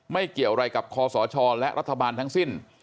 เกี่ยวอะไรกับคอสชและรัฐบาลทั้งสิ้น